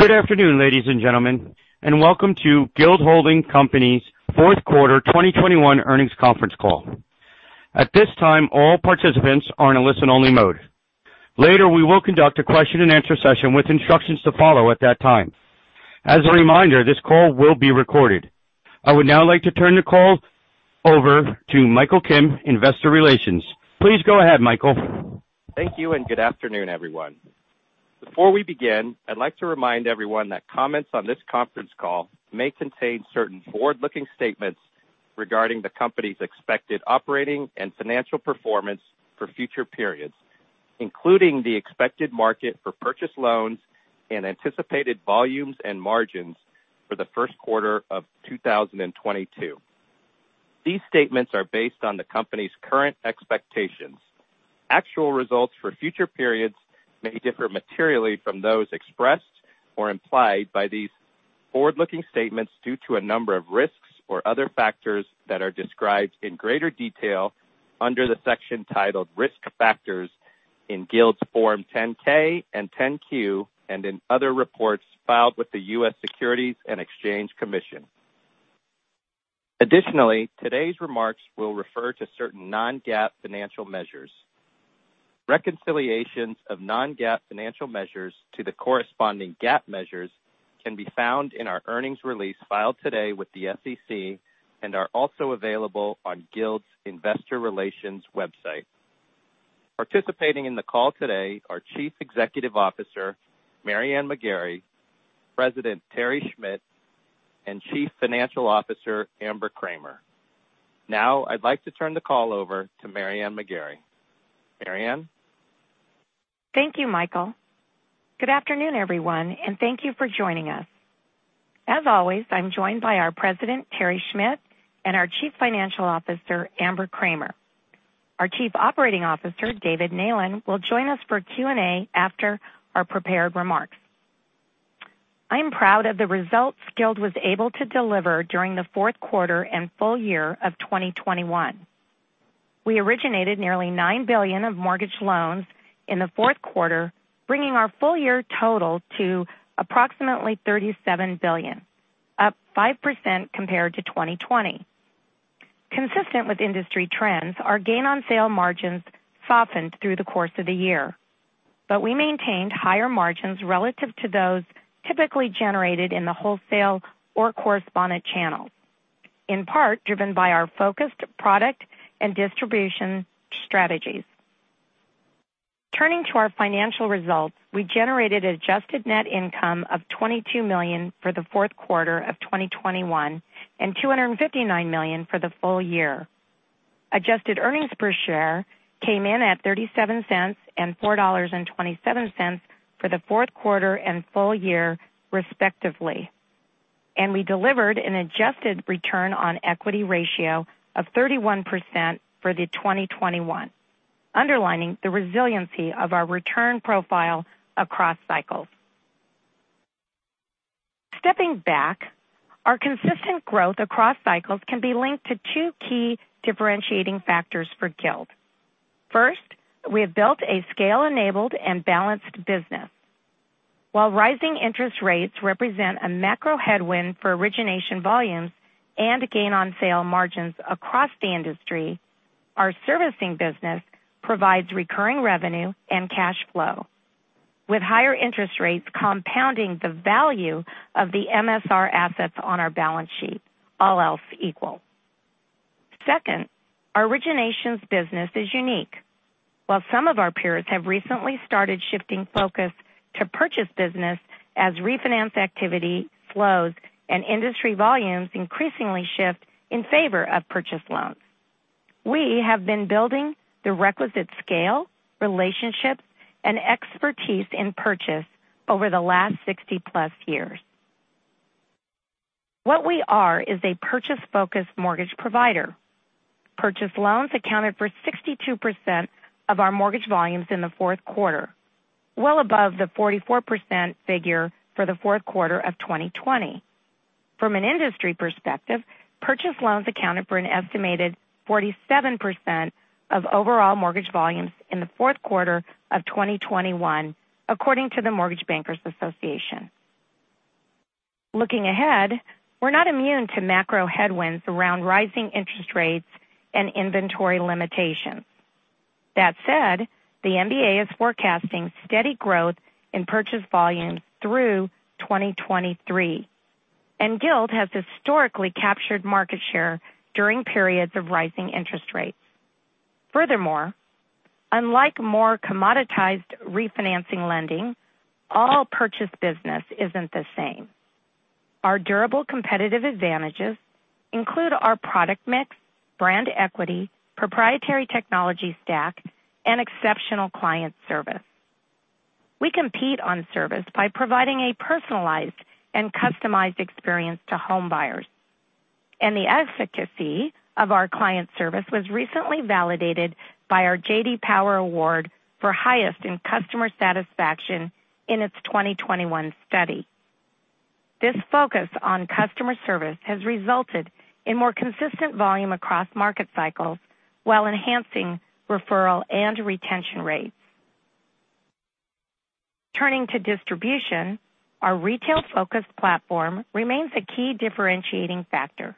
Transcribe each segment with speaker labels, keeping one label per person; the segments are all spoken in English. Speaker 1: Good afternoon, ladies and gentlemen, and welcome to Guild Holdings Company's fourth quarter 2021 earnings conference call. At this time, all participants are in a listen-only mode. Later, we will conduct a question-and-answer session with instructions to follow at that time. As a reminder, this call will be recorded. I would now like to turn the call over to Michael Kim, Investor Relations. Please go ahead, Michael.
Speaker 2: Thank you and good afternoon, everyone. Before we begin, I'd like to remind everyone that comments on this conference call may contain certain forward-looking statements regarding the company's expected operating and financial performance for future periods, including the expected market for purchase loans and anticipated volumes and margins for the first quarter of 2022. These statements are based on the company's current expectations. Actual results for future periods may differ materially from those expressed or implied by these forward-looking statements due to a number of risks or other factors that are described in greater detail under the section titled Risk Factors in Guild's Form 10-K and 10-Q and in other reports filed with the U.S. Securities and Exchange Commission. Additionally, today's remarks will refer to certain non-GAAP financial measures. Reconciliations of non-GAAP financial measures to the corresponding GAAP measures can be found in our earnings release filed today with the SEC and are also available on Guild's investor relations website. Participating in the call today are Chief Executive Officer Mary Ann McGarry, President Terry Schmidt, and Chief Financial Officer Amber Kramer. Now I'd like to turn the call over to Mary Ann McGarry. Mary Ann.
Speaker 3: Thank you, Michael. Good afternoon, everyone, and thank you for joining us. As always, I'm joined by our President, Terry Schmidt, and our Chief Financial Officer, Amber Kramer. Our Chief Operating Officer, David Neylan, will join us for Q&A after our prepared remarks. I'm proud of the results Guild was able to deliver during the fourth quarter and full year of 2021. We originated nearly $9 billion of mortgage loans in the fourth quarter, bringing our full year total to approximately $37 billion, up 5% compared to 2020. Consistent with industry trends, our gain on sale margins softened through the course of the year, but we maintained higher margins relative to those typically generated in the wholesale or correspondent channels, in part driven by our focused product and distribution strategies. Turning to our financial results, we generated adjusted net income of $22 million for the fourth quarter of 2021 and $259 million for the full year. Adjusted earnings per share came in at $0.37 and $4.27 for the fourth quarter and full year, respectively. We delivered an adjusted return on equity ratio of 31% for 2021, underlining the resiliency of our return profile across cycles. Stepping back, our consistent growth across cycles can be linked to two key differentiating factors for Guild. First, we have built a scale-enabled and balanced business. While rising interest rates represent a macro headwind for origination volumes and gain on sale margins across the industry, our servicing business provides recurring revenue and cash flow, with higher interest rates compounding the value of the MSR assets on our balance sheet, all else equal. Second, our originations business is unique. While some of our peers have recently started shifting focus to purchase business as refinance activity flows and industry volumes increasingly shift in favor of purchase loans, we have been building the requisite scale, relationships, and expertise in purchase over the last 60+ years. What we are is a purchase-focused mortgage provider. Purchase loans accounted for 62% of our mortgage volumes in the fourth quarter, well above the 44% figure for the fourth quarter of 2020. From an industry perspective, purchase loans accounted for an estimated 47% of overall mortgage volumes in the fourth quarter of 2021, according to the Mortgage Bankers Association. Looking ahead, we're not immune to macro headwinds around rising interest rates and inventory limitations. That said, the MBA is forecasting steady growth in purchase volumes through 2023, and Guild has historically captured market share during periods of rising interest rates. Furthermore, unlike more commoditized refinancing lending, all purchase business isn't the same. Our durable competitive advantages include our product mix, brand equity, proprietary technology stack, and exceptional client service. We compete on service by providing a personalized and customized experience to home buyers. The efficacy of our client service was recently validated by our J.D. Power Award for highest in customer satisfaction in its 2021 study. This focus on customer service has resulted in more consistent volume across market cycles while enhancing referral and retention rates. Turning to distribution, our retail-focused platform remains a key differentiating factor.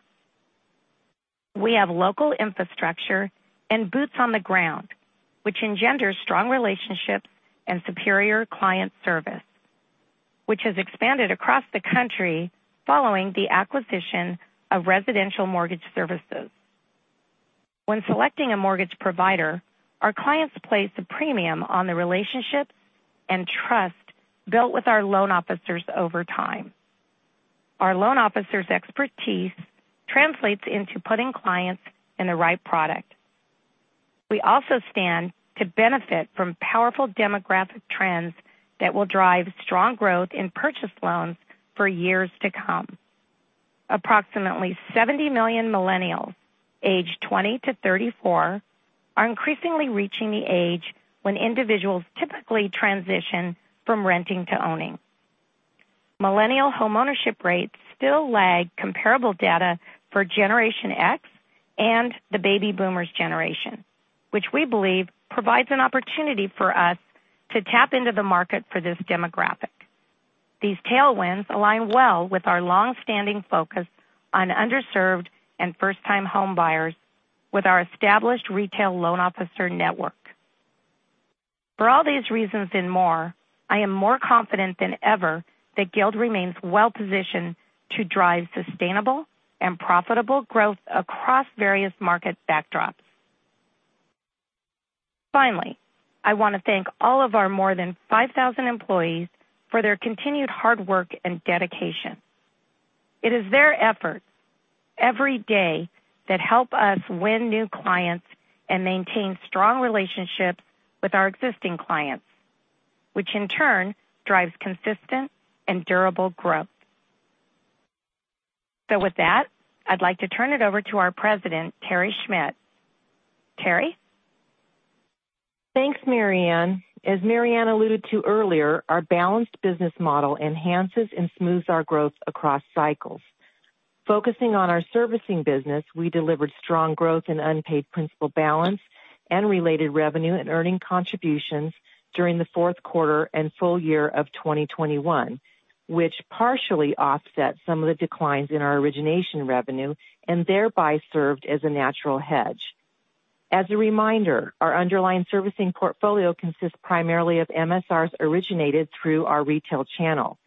Speaker 3: We have local infrastructure and boots on the ground, which engenders strong relationships and superior client service, which has expanded across the country following the acquisition of Residential Mortgage Services. When selecting a mortgage provider, our clients place a premium on the relationships and trust built with our loan officers over time. Our loan officers' expertise translates into putting clients in the right product. We also stand to benefit from powerful demographic trends that will drive strong growth in purchase loans for years to come. Approximately 70 million millennials aged 20-34 are increasingly reaching the age when individuals typically transition from renting to owning. Millennial homeownership rates still lag comparable data for Generation X and the Baby Boomers generation, which we believe provides an opportunity for us to tap into the market for this demographic. These tailwinds align well with our long-standing focus on underserved and first-time homebuyers with our established retail loan officer network. For all these reasons and more, I am more confident than ever that Guild remains well positioned to drive sustainable and profitable growth across various market backdrops. Finally, I want to thank all of our more than 5,000 employees for their continued hard work and dedication. It is their efforts every day that help us win new clients and maintain strong relationships with our existing clients, which in turn drives consistent and durable growth. With that, I'd like to turn it over to our President, Terry Schmidt. Terry?
Speaker 4: Thanks, Mary Ann. Mary Ann alluded to earlier, our balanced business model enhances and smooths our growth across cycles. Focusing on our servicing business, we delivered strong growth in unpaid principal balance and related revenue and earnings contributions during the fourth quarter and full year of 2021, which partially offset some of the declines in our origination revenue and thereby served as a natural hedge. As a reminder, our underlying servicing portfolio consists primarily of MSRs originated through our retail channel.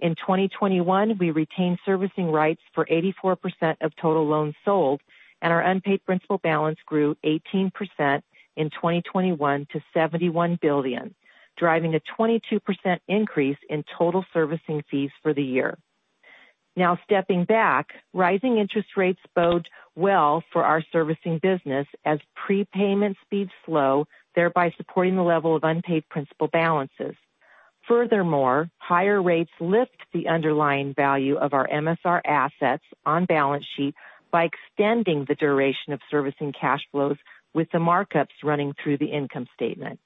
Speaker 4: In 2021, we retained servicing rights for 84% of total loans sold, and our unpaid principal balance grew 18% in 2021 to $71 billion, driving a 22% increase in total servicing fees for the year. Now, stepping back, rising interest rates bode well for our servicing business as prepayment speeds slow, thereby supporting the level of unpaid principal balances. Furthermore, higher rates lift the underlying value of our MSR assets on balance sheet by extending the duration of servicing cash flows with the markups running through the income statement.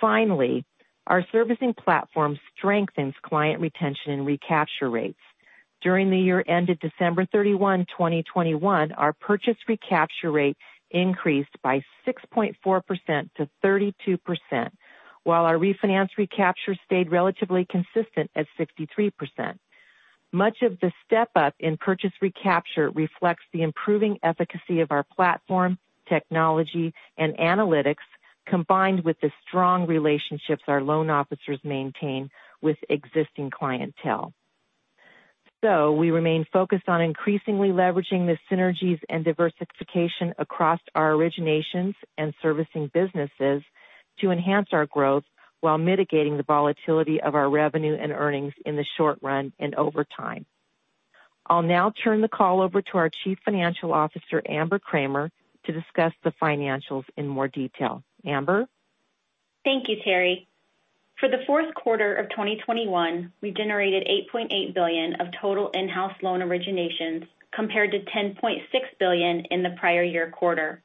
Speaker 4: Finally, our servicing platform strengthens client retention and recapture rates. During the year ended December 31, 2021, our purchase recapture rate increased by 6.4%-32%, while our refinance recapture stayed relatively consistent at 63%. Much of the step-up in purchase recapture reflects the improving efficacy of our platform, technology, and analytics, combined with the strong relationships our loan officers maintain with existing clientele. We remain focused on increasingly leveraging the synergies and diversification across our originations and servicing businesses to enhance our growth while mitigating the volatility of our revenue and earnings in the short run and over time. I'll now turn the call over to our Chief Financial Officer, Amber Kramer, to discuss the financials in more detail. Amber?
Speaker 5: Thank you, Terry. For the fourth quarter of 2021, we generated $8.8 billion of total in-house loan originations compared to $10.6 billion in the prior year quarter.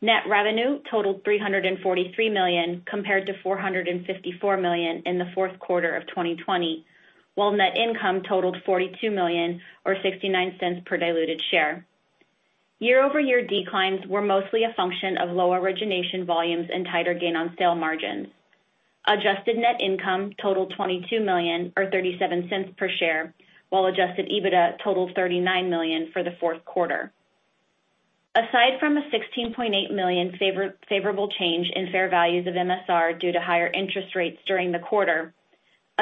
Speaker 5: Net revenue totaled $343 million compared to $454 million in the fourth quarter of 2020, while net income totaled $42 million or $0.69 per diluted share. Year-over-year declines were mostly a function of low origination volumes and tighter gain-on-sale margins. Adjusted net income totaled $22 million or $0.37 per share, while adjusted EBITDA totaled $39 million for the fourth quarter. Aside from a $16.8 million favorable change in fair values of MSR due to higher interest rates during the quarter,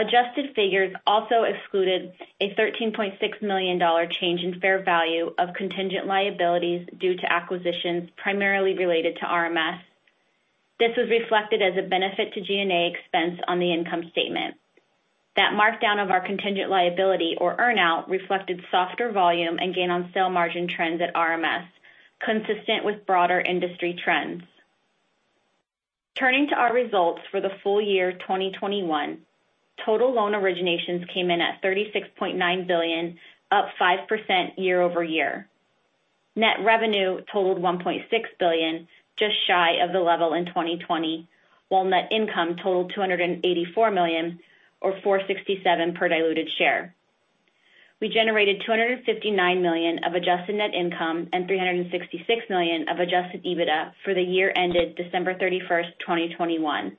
Speaker 5: adjusted figures also excluded a $13.6 million change in fair value of contingent liabilities due to acquisitions primarily related to RMS. This was reflected as a benefit to G&A expense on the income statement. That markdown of our contingent liability or earn-out reflected softer volume and gain on sale margin trends at RMS, consistent with broader industry trends. Turning to our results for the full year 2021, total loan originations came in at $36.9 billion, up 5% year-over-year. Net revenue totaled $1.6 billion, just shy of the level in 2020, while net income totaled $284 million or $4.67 per diluted share. We generated $259 million of adjusted net income and $366 million of adjusted EBITDA for the year ended December 31st, 2021.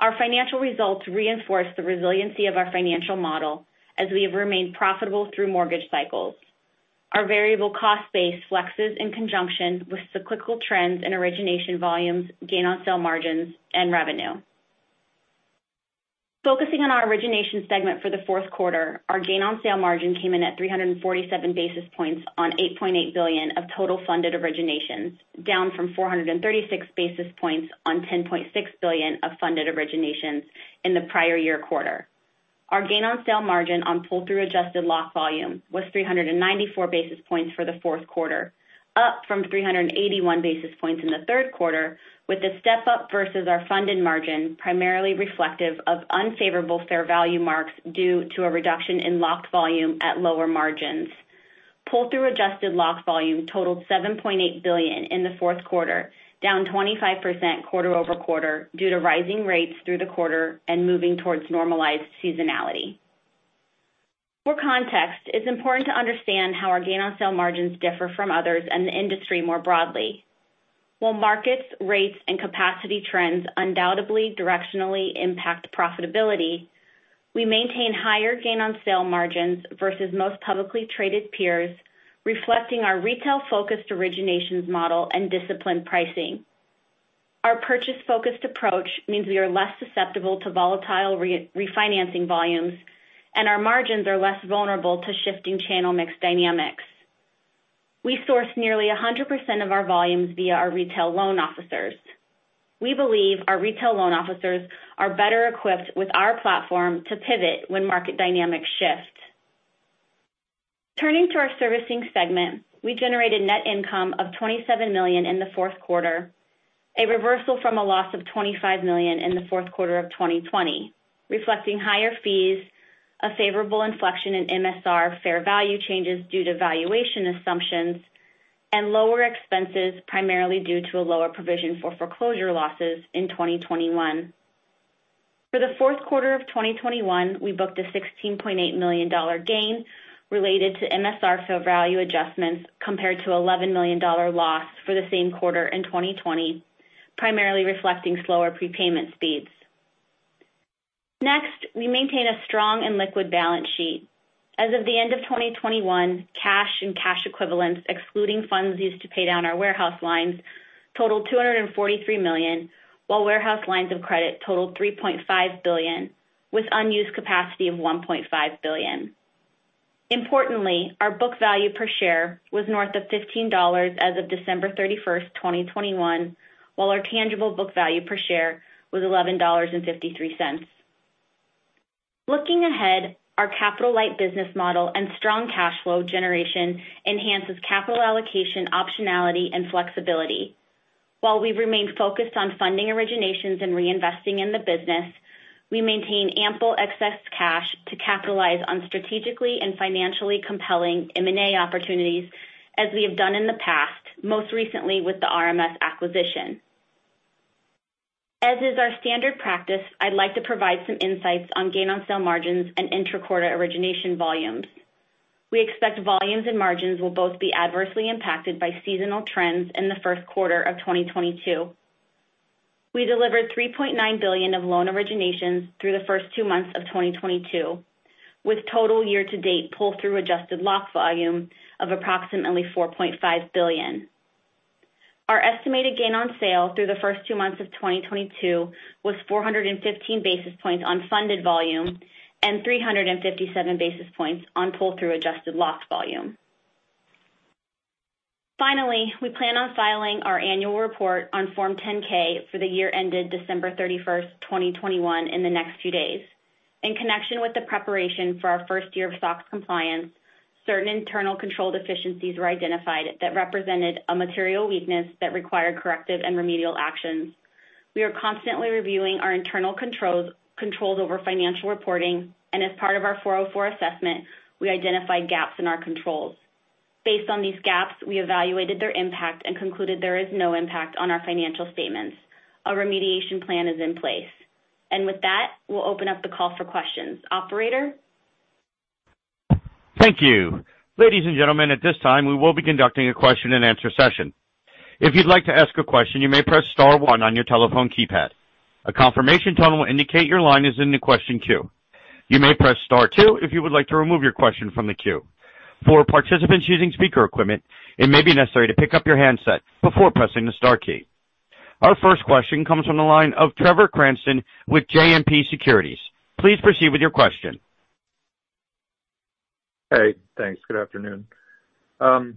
Speaker 5: Our financial results reinforce the resiliency of our financial model as we have remained profitable through mortgage cycles. Our variable cost base flexes in conjunction with cyclical trends and origination volumes, gain on sale margins, and revenue. Focusing on our Origination segment for the fourth quarter. Our gain on sale margin came in at 347 basis points on $8.8 billion of total funded originations, down from 436 basis points on $10.6 billion of funded originations in the prior year quarter. Our gain on sale margin on pull-through adjusted lock volume was 394 basis points for the fourth quarter, up from 381 basis points in the third quarter, with a step up versus our funded margin, primarily reflective of unfavorable fair value marks due to a reduction in locked volume at lower margins. Pull-through adjusted locked volume totaled $7.8 billion in the fourth quarter, down 25% quarter-over-quarter due to rising rates through the quarter and moving towards normalized seasonality. For context, it's important to understand how our gain on sale margins differ from others in the industry more broadly. While markets, rates, and capacity trends undoubtedly directionally impact profitability, we maintain higher gain on sale margins versus most publicly traded peers, reflecting our retail-focused originations model and disciplined pricing. Our purchase-focused approach means we are less susceptible to volatile re-refinancing volumes, and our margins are less vulnerable to shifting channel mix dynamics. We source nearly 100% of our volumes via our retail loan officers. We believe our retail loan officers are better equipped with our platform to pivot when market dynamics shift. Turning to our Servicing segment, we generated net income of $27 million in the fourth quarter, a reversal from a loss of $25 million in the fourth quarter of 2020, reflecting higher fees, a favorable inflection in MSR fair value changes due to valuation assumptions, and lower expenses, primarily due to a lower provision for foreclosure losses in 2021. For the fourth quarter of 2021, we booked a $16.8 million gain related to MSR fair value adjustments, compared to $11 million loss for the same quarter in 2020, primarily reflecting slower prepayment speeds. Next, we maintain a strong and liquid balance sheet. As of the end of 2021, cash and cash equivalents, excluding funds used to pay down our warehouse lines, totaled $243 million, while warehouse lines of credit totaled $3.5 billion, with unused capacity of $1.5 billion. Importantly, our book value per share was north of $15 as of December 31, 2021, while our tangible book value per share was $11.53. Looking ahead, our capital light business model and strong cash flow generation enhances capital allocation, optionality, and flexibility. While we remain focused on funding originations and reinvesting in the business, we maintain ample excess cash to capitalize on strategically and financially compelling M&A opportunities as we have done in the past, most recently with the RMS acquisition. As is our standard practice, I'd like to provide some insights on gain on sale margins and intra-quarter origination volumes. We expect volumes and margins will both be adversely impacted by seasonal trends in the first quarter of 2022. We delivered $3.9 billion of loan originations through the first two months of 2022, with total year to date pull-through adjusted lock volume of approximately $4.5 billion. Our estimated gain on sale through the first two months of 2022 was 415 basis points on funded volume and 357 basis points on pull-through adjusted locked volume. Finally, we plan on filing our annual report on Form 10-K for the year ended December 31, 2021 in the next few days. In connection with the preparation for our first year of SOX compliance, certain internal control deficiencies were identified that represented a material weakness that required corrective and remedial actions. We are constantly reviewing our internal controls over financial reporting, and as part of our 404 assessment, we identified gaps in our controls. Based on these gaps, we evaluated their impact and concluded there is no impact on our financial statements. A remediation plan is in place. With that, we'll open up the call for questions. Operator?
Speaker 1: Thank you. Ladies and gentlemen, at this time, we will be conducting a question-and-answer session. If you'd like to ask a question, you may press star one on your telephone keypad. A confirmation tone will indicate your line is in the question queue. You may press star two if you would like to remove your question from the queue. For participants using speaker equipment, it may be necessary to pick up your handset before pressing the star key. Our first question comes from the line of Trevor Cranston with JMP Securities. Please proceed with your question.
Speaker 6: Hey, thanks. Good afternoon. I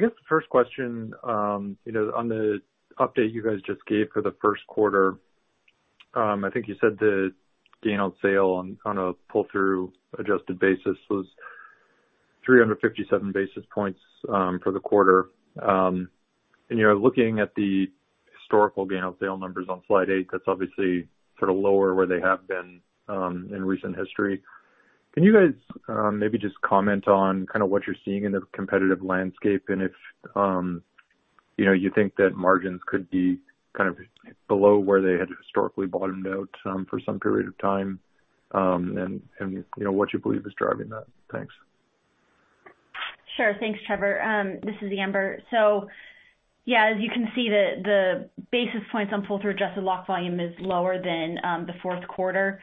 Speaker 6: guess the first question, you know, on the update you guys just gave for the first quarter, I think you said the gain on sale on a pull-through adjusted basis was 357 basis points, for the quarter. You know, looking at the historical gain of sale numbers on slide eight, that's obviously sort of lower where they have been in recent history. Can you guys maybe just comment on kind of what you're seeing in the competitive landscape and if you know you think that margins could be kind of below where they had historically bottomed out for some period of time and you know what you believe is driving that? Thanks.
Speaker 5: Sure. Thanks, Trevor. This is Amber. Yeah, as you can see the basis points on pull-through adjusted lock volume is lower than the fourth quarter.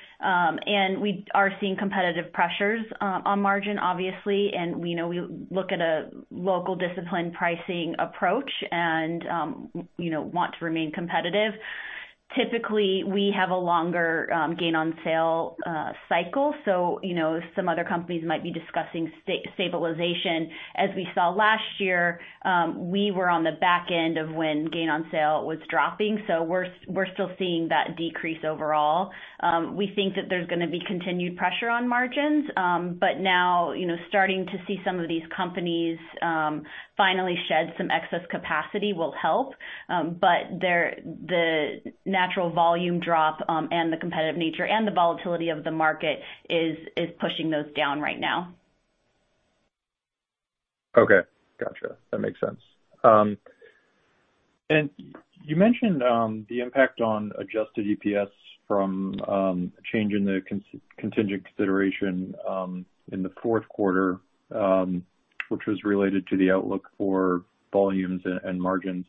Speaker 5: We are seeing competitive pressures on margin obviously, and we know we look at a local disciplined pricing approach and you know, want to remain competitive. Typically, we have a longer gain on sale cycle, so you know, some other companies might be discussing stabilization. As we saw last year, we were on the back end of when gain on sale was dropping, so we're still seeing that decrease overall. We think that there's gonna be continued pressure on margins, but now you know, starting to see some of these companies finally shed some excess capacity will help. The natural volume drop, and the competitive nature and the volatility of the market is pushing those down right now.
Speaker 6: Okay. Gotcha. That makes sense. You mentioned the impact on adjusted EPS from change in the contingent consideration in the fourth quarter, which was related to the outlook for volumes and margins.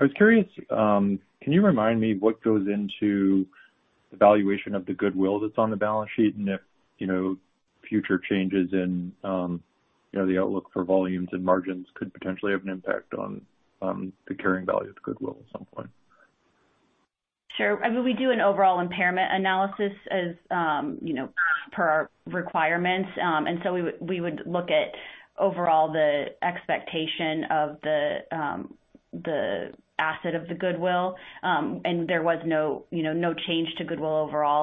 Speaker 6: I was curious, can you remind me what goes into the valuation of the goodwill that's on the balance sheet and if, you know, future changes in, you know, the outlook for volumes and margins could potentially have an impact on the carrying value of the goodwill at some point?
Speaker 5: Sure. I mean, we do an overall impairment analysis as, you know, per our requirements. We would look at overall the expectation of the asset of the goodwill. There was no change to goodwill overall.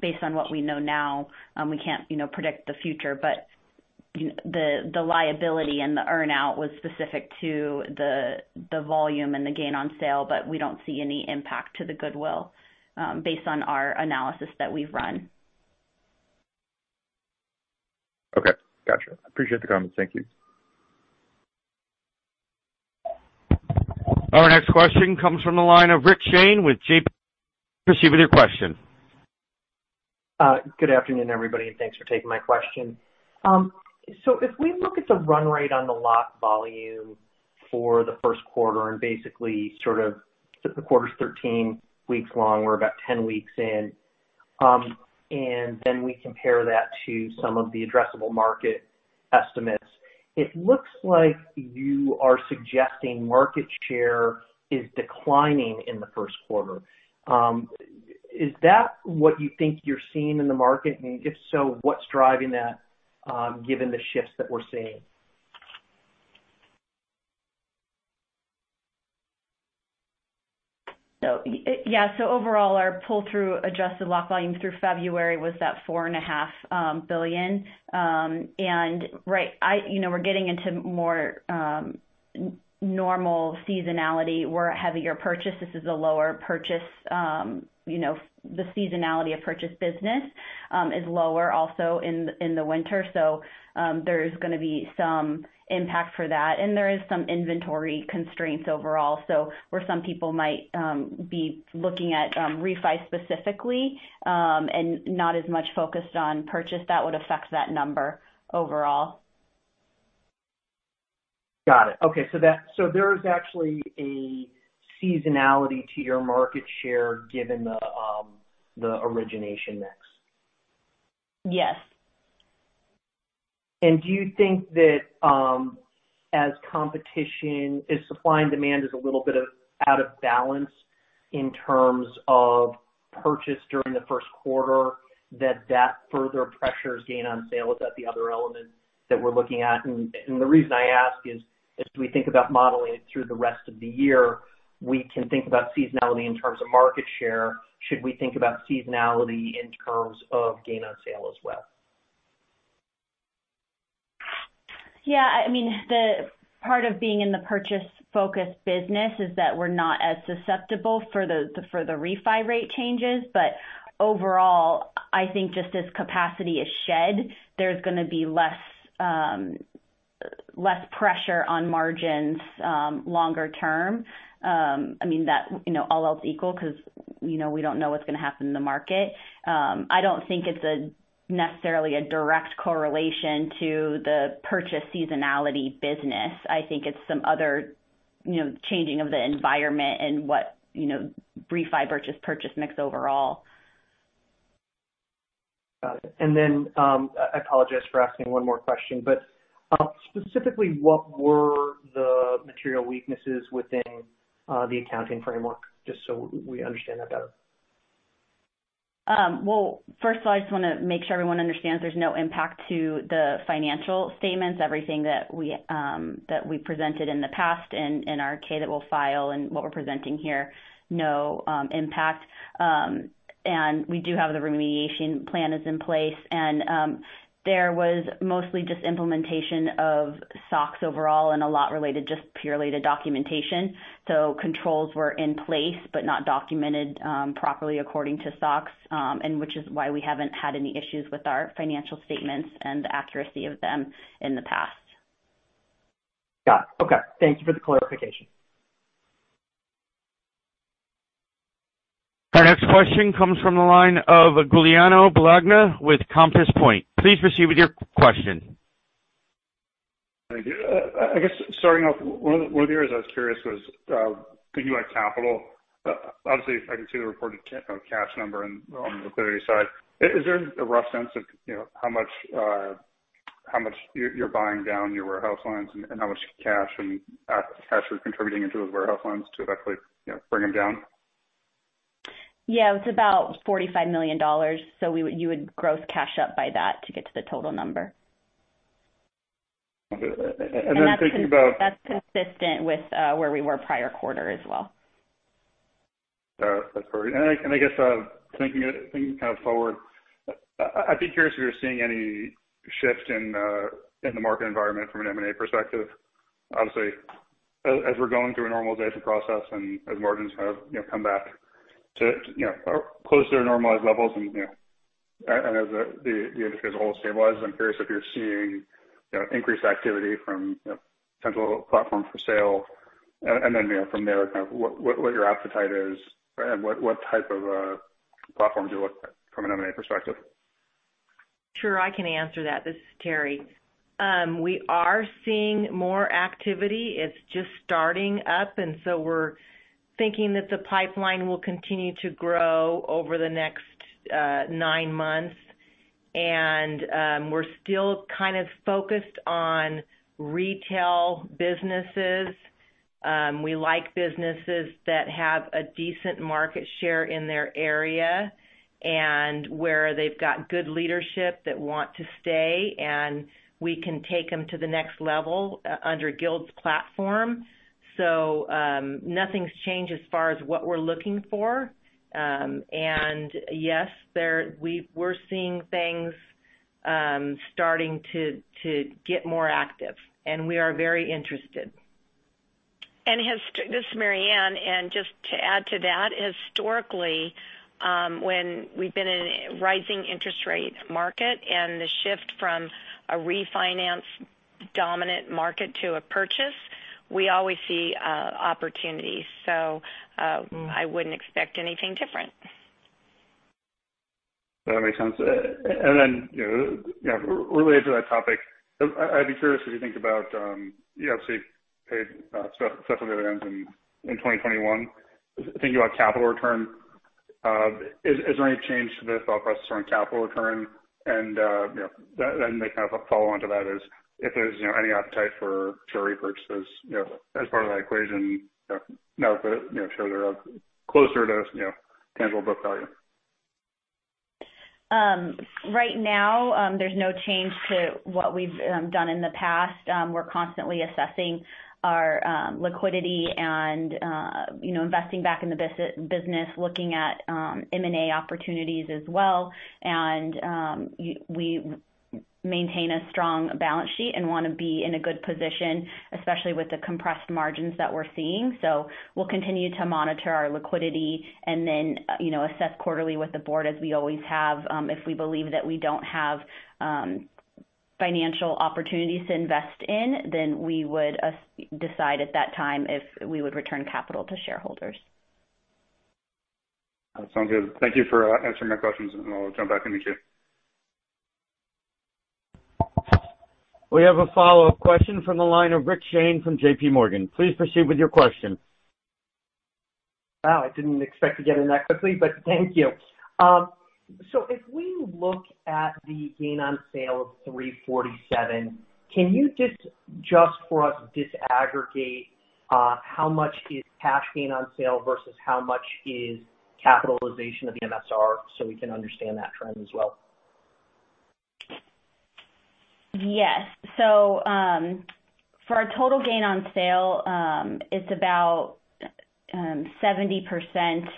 Speaker 5: Based on what we know now, we can't predict the future. The liability and the earn-out was specific to the volume and the gain on sale, but we don't see any impact to the goodwill based on our analysis that we've run.
Speaker 6: Okay. Gotcha. Appreciate the comment. Thank you.
Speaker 1: Our next question comes from the line of Rick Shane with JPMorgan. Proceed with your question.
Speaker 7: Good afternoon, everybody, and thanks for taking my question. If we look at the run rate on the lock volume for the first quarter and basically sort of the quarter's 13 weeks long, we're about 10 weeks in, and then we compare that to some of the addressable market estimates, it looks like you are suggesting market share is declining in the first quarter. Is that what you think you're seeing in the market? If so, what's driving that, given the shifts that we're seeing?
Speaker 5: Overall, our pull-through adjusted lock volume through February was $4.5 billion. You know, we're getting into more normal seasonality. We're a heavier purchase. This is a lower purchase, you know, the seasonality of purchase business is lower also in the winter. There is gonna be some impact for that. There is some inventory constraints overall. Where some people might be looking at refi specifically, and not as much focused on purchase, that would affect that number overall.
Speaker 7: Got it. Okay. There is actually a seasonality to your market share given the origination mix?
Speaker 5: Yes.
Speaker 7: Do you think that supply and demand is a little bit out of balance in terms of purchase during the first quarter that further pressures gain on sale? Is that the other element that we're looking at? The reason I ask is, as we think about modeling it through the rest of the year, we can think about seasonality in terms of market share. Should we think about seasonality in terms of gain on sale as well?
Speaker 5: Yeah. I mean, the part of being in the purchase-focused business is that we're not as susceptible to the refi rate changes. Overall, I think just as capacity is shed, there's gonna be less pressure on margins longer term. I mean that, you know, all else equal because, you know, we don't know what's gonna happen in the market. I don't think it's necessarily a direct correlation to the purchase seasonality business. I think it's some other, you know, changing of the environment and what, you know, refi purchase mix overall.
Speaker 7: Got it. I apologize for asking one more question, but, specifically what were the material weaknesses within, the accounting framework? Just so we understand that better.
Speaker 5: Well, first of all, I just wanna make sure everyone understands there's no impact to the financial statements. Everything that we presented in the past and in our Form 10-K that we'll file and what we're presenting here, no impact. We do have the remediation plan is in place. There was mostly just implementation of SOX overall and a lot related just purely to documentation. Controls were in place but not documented properly according to SOX, and which is why we haven't had any issues with our financial statements and the accuracy of them in the past.
Speaker 7: Got it. Okay. Thank you for the clarification.
Speaker 1: Our next question comes from the line of Giuliano Bologna with Compass Point. Please proceed with your question.
Speaker 8: Thank you. I guess starting off, one of the areas I was curious about was thinking about capital. Obviously, I can see the reported cash number on the liquidity side. Is there a rough sense of, you know, how much you're buying down your warehouse lines and how much cash and excess cash are contributing into those warehouse lines to actually, you know, bring them down?
Speaker 5: Yeah, it's about $45 million. You would gross up cash by that to get to the total number.
Speaker 8: Okay. Thinking about
Speaker 5: That's consistent with where we were prior quarter as well.
Speaker 8: All right. That's great. I guess thinking kind of forward, I'd be curious if you're seeing any shift in the market environment from an M&A perspective. Obviously, as we're going through a normalization process and as margins have, you know, come back to, you know, closer to normalized levels. You know, and as the industry as a whole stabilizes, I'm curious if you're seeing, you know, increased activity from, you know, potential platforms for sale. Then, you know, from there kind of what your appetite is and what type of platforms you look at from an M&A perspective?
Speaker 4: Sure. I can answer that. This is Terry. We are seeing more activity. It's just starting up, and so we're thinking that the pipeline will continue to grow over the next nine months. We're still kind of focused on retail businesses. We like businesses that have a decent market share in their area and where they've got good leadership that want to stay, and we can take them to the next level under Guild's platform. Nothing's changed as far as what we're looking for. Yes, we're seeing things starting to get more active, and we are very interested.
Speaker 3: This is Mary Ann. Just to add to that, historically, when we've been in a rising interest rate market and the shift from a refinance dominant market to a purchase, we always see opportunities. I wouldn't expect anything different.
Speaker 8: That makes sense. You know, related to that topic, I'd be curious if you think about, you obviously paid special dividends in 2021. Thinking about capital return, has there any change to the thought process around capital return? You know, kind of a follow on to that is if there's you know any appetite for share repurchases, you know, as part of that equation, you know, now that it you know shows us closer to tangible book value?
Speaker 5: Right now, there's no change to what we've done in the past. We're constantly assessing our liquidity and, you know, investing back in the business, looking at M&A opportunities as well. We maintain a strong balance sheet and wanna be in a good position, especially with the compressed margins that we're seeing. We'll continue to monitor our liquidity and then, you know, assess quarterly with the Board as we always have. If we believe that we don't have financial opportunities to invest in, then we would decide at that time if we would return capital to shareholders.
Speaker 8: That sounds good. Thank you for answering my questions, and I'll jump back in the queue.
Speaker 1: We have a follow-up question from the line of Rick Shane from JPMorgan. Please proceed with your question.
Speaker 7: Wow, I didn't expect to get in that quickly, but thank you. If we look at the gain on sale of $347, can you just for us disaggregate how much is cash gain on sale versus how much is capitalization of the MSR so we can understand that trend as well?
Speaker 5: Yes. For our total gain on sale, it's about 70%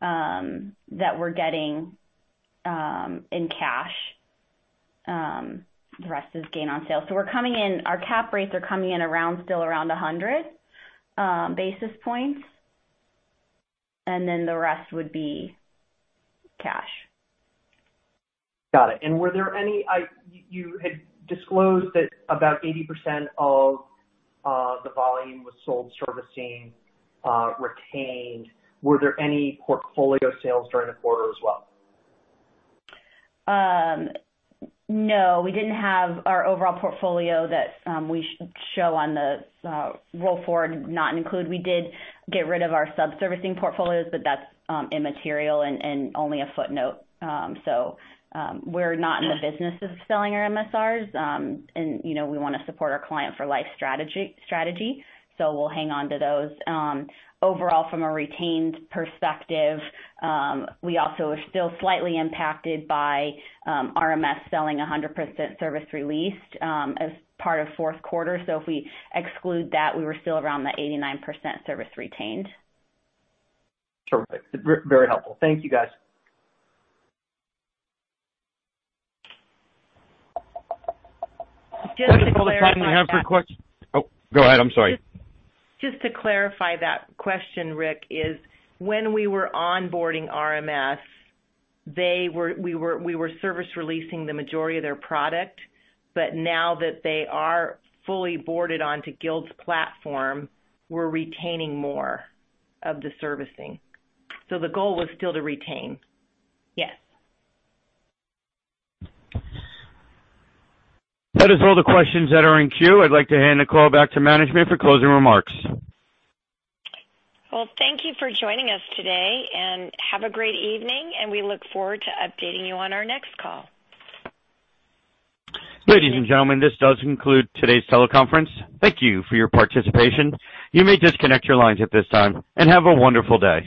Speaker 5: that we're getting in cash. The rest is gain on sale. We're coming in, our cap rates are coming in around, still around 100 basis points, and then the rest would be cash.
Speaker 7: Got it. You had disclosed that about 80% of the volume was sold servicing retained. Were there any portfolio sales during the quarter as well?
Speaker 5: No, we didn't have our overall portfolio that we show on the roll forward not include. We did get rid of our subservicing portfolios, but that's immaterial and only a footnote. We're not in the business of selling our MSRs. You know, we wanna support our client for life strategy, so we'll hang on to those. Overall, from a retained perspective, we also are still slightly impacted by RMS selling 100% service released as part of fourth quarter. If we exclude that, we were still around the 89% service retained.
Speaker 7: Terrific. Very helpful. Thank you, guys.
Speaker 1: That is all the time we have for questions. Oh, go ahead. I'm sorry.
Speaker 4: Just to clarify that question, Rick, is when we were onboarding RMS, we were service releasing the majority of their product. Now that they are fully boarded onto Guild's platform, we're retaining more of the servicing. The goal was still to retain.
Speaker 5: Yes.
Speaker 1: That is all the questions that are in queue. I'd like to hand the call back to management for closing remarks.
Speaker 3: Well, thank you for joining us today, and have a great evening, and we look forward to updating you on our next call.
Speaker 1: Ladies and gentlemen, this does conclude today's teleconference. Thank you for your participation. You may disconnect your lines at this time, and have a wonderful day.